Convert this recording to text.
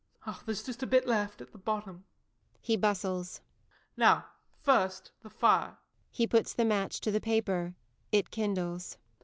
There's just a bit left at the bottom. [He bustles.] Now, first the fire. [_He puts the match to the paper it kindles.